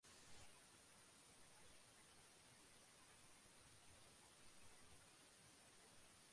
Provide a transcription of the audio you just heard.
স্বামীজী তদুত্তরে লিখেন, নাগ-মশায়ের আপত্তি না হলে তোমাকে অতি আনন্দের সহিত দীক্ষিত করব।